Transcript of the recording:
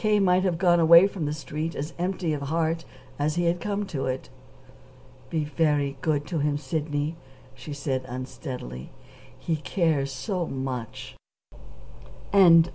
might have gone away from the Street as empty of heart as he had come to it. "Be very good to him, Sidney," she said unsteadily. "He cares so much." CHAPTER XXX K.